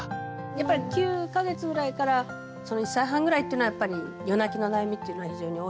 やっぱり９か月ぐらいから１歳半ぐらいっていうのはやっぱり夜泣きの悩みっていうのは非常に多い。